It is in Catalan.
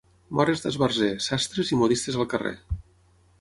Mores d'esbarzer, sastres i modistes al carrer.